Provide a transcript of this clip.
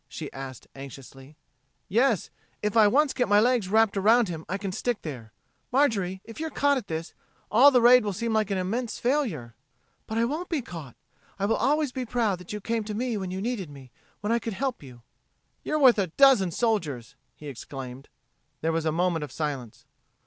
she asked anxiously. "Yes if I once get my legs wrapped around him I can stick there. Marjorie, if you're caught at this, all the raid will seem like an immense failure." "But I won't be caught, and I will always be proud that you came to me when you needed me, when I could help you." "You're worth a dozen soldiers!" he exclaimed. There was a moment of silence.